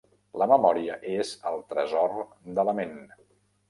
La memòria és el tresor de la ment.